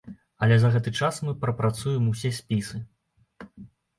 Але за гэты час мы прапрацуем усе спісы.